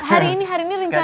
hari ini rencana mau kedua